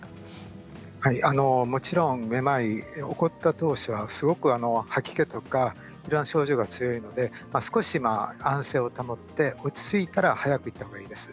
もちろんめまい起こった当初吐き気とか症状があるので安静を保って落ち着いたら早く行ったほうがいいです。